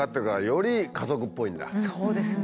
そうですね。